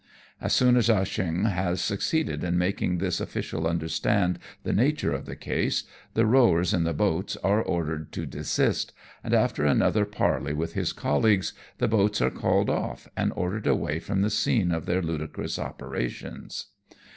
As soon as Ah Cheong has succeeded in making this 134 AMONG TYPHOONS AND PIRATE CRAFT. official understand the nature of the case, the rowers in the boats are ordered to desist, and after another parley with his colleagues, the boats are called off, and ordered away from the scene of their ludicrous operations.